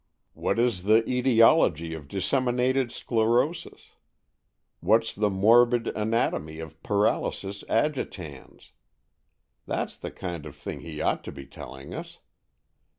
What is the aetiology of disseminated sclerosis? What's the morbid anatomy of paralysis agitans? That's the kind of thing he ought to be telling us.